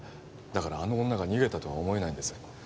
だからあの女が逃げたとは思えないんです